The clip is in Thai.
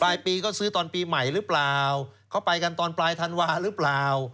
รายปีก็ซื้อตอนปีใหม่หรือเปล่าเขาไปกันตอนปลายธันวาหรือเปล่า